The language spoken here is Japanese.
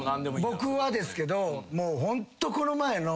僕はですけどもうホントこの前の。